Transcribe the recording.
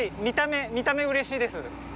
見た目見た目うれしいです。